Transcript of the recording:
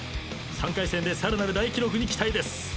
３回戦でさらなる大記録に期待です。